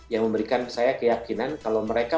yang memberikan saya keyakinan kalau mereka